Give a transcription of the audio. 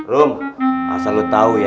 rum asal kamu tahu ya